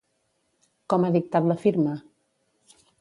Com ha dictat la firma?